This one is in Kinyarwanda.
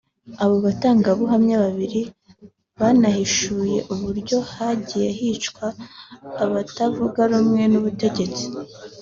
Abo batangabuhamya babiri banahishuye uburyo hagiye hicwa abatavuga rumwe n’ubutegetsi